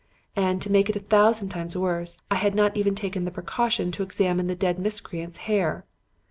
And to make it a thousand times worse, I had not even taken the precaution to examine the dead miscreants' hair!